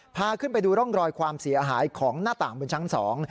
พาขึ้นไปดูร่องรอยความเสียหายของหน้าต่างบนชั้นสอง